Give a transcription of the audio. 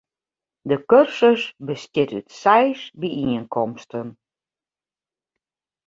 De kursus bestiet út seis byienkomsten.